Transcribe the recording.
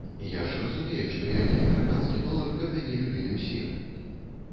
Я ж разумею, што я не амерыканскі долар, каб мяне любілі ўсе!